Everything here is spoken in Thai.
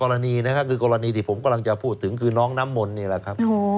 กรณีนะครับคือกรณีที่ผมกำลังจะพูดถึงคือน้องน้ำมนต์นี่แหละครับ